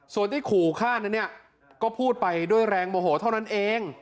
ส่วนที่ขู่ฆ่านั้นเนี่ยก็พูดไปด้วยแรงโมโหเท่านั้นเอง